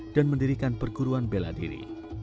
dan mendirikan perguruan bela diri